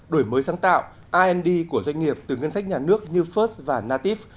đổi mới sáng tạo ind của doanh nghiệp từ ngân sách nhà nước như first và natif